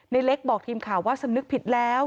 เล็กบอกทีมข่าวว่าสำนึกผิดแล้ว